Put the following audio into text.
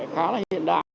khá là hiện đại